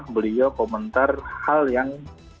beliau komentar hal yang